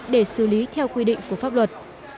để xử lý theo quy định của pháp luật